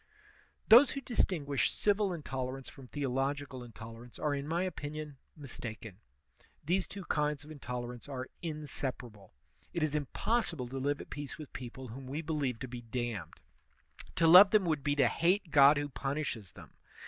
Those who distinguish civil intolerance from theological intolerance are in my opinion, mistaken. These two kinds of intolerance are inseparable. It is impossible to live at peace with people whom we believe to be damned; to love them would be to hate God who punishes them.